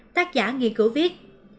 tác giả nghiên cứu viết